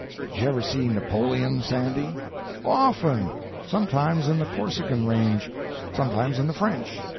"Did you ever see Napoleon, Sandy?" "Often—sometimes in the Corsican range, sometimes in the French.